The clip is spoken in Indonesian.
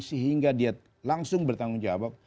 sehingga dia langsung bertanggung jawab